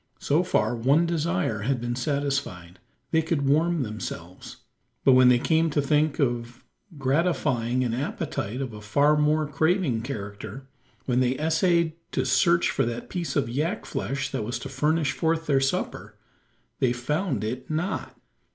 So far one desire had been satisfied. They could warm themselves. But when they came to think of gratifying an appetite of a far more craving character when they essayed to search for that piece of yak flesh that was to furnish forth their supper they found it not!